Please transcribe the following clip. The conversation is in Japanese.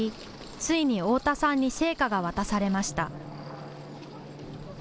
ついに太田さんに聖火が渡されました。